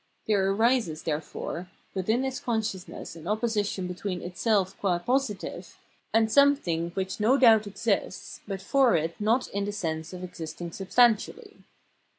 There arises, therefore, within its conscious ness an opposition between itself qua positive and something which no doubt exists, but for it not in the sense of existing substantially.